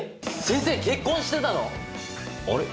先生結婚してたの⁉あれ？